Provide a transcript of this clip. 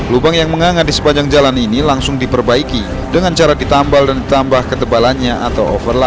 lubang yang mengangat di sepanjang jalan ini langsung diperbaiki dengan cara ditambal dan ditambah ketebalannya atau overlap